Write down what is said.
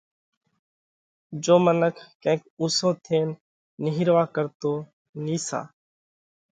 جيو منک ڪينڪ اُنسو ٿينَ نِيهروا ڪرتو نيسا